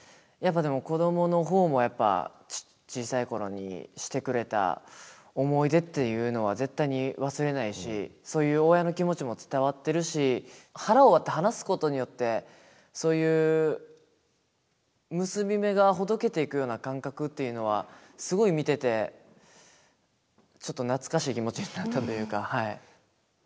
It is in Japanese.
やっぱでも子どもの方も小さい頃にしてくれた思い出っていうのは絶対に忘れないしそういう親の気持ちも伝わってるし腹を割って話すことによってそういう結び目がほどけていくような感覚っていうのはすごい見ててちょっと懐かしい気持ちになったというかはい。